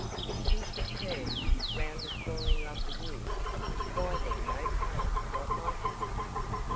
"If she should turn 'round and fall in love with you why then no telling what might happen."